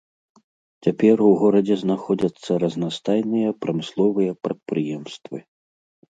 Цяпер у горадзе знаходзяцца разнастайныя прамысловыя прадпрыемствы.